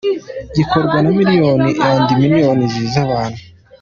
Gikorwa na millions and millions z’abantu.